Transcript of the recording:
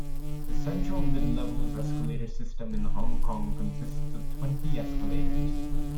The Central-Midlevels escalator system in Hong Kong consists of twenty escalators.